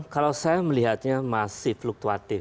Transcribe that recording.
kalau saya melihatnya masih fluktuatif